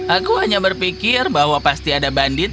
aku hanya berpikir bahwa pasti ada bandit